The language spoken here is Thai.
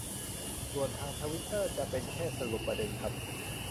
ส่วนทางทวิตเตอร์จะเป็นแค่สรุปประเด็นครับ